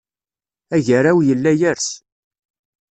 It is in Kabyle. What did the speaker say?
Agaraw yella yers.